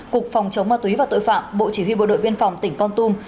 cục phòng chống ma túy và tội phạm bộ chỉ huy bộ đội biên phòng tỉnh con tum